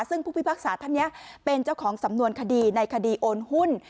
ซึ่งผู้พิพากษาท่านนี้เป็นเจ้าของสำนวนคดีในคดีโอนหุ้น